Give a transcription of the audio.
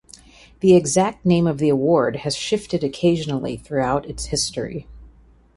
The exact name of the award has shifted occasionally throughout its history.